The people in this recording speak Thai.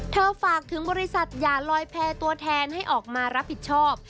ฝากถึงบริษัทอย่าลอยแพร่ตัวแทนให้ออกมารับผิดชอบ